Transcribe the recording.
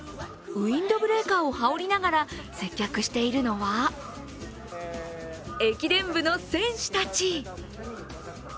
ウィンドブレーカーを羽織りながら接客しているのは駅伝部の選手たち。